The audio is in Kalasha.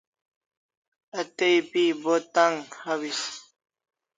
A tay pi Bo tan'g hawis